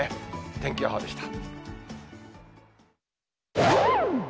天気予報でした。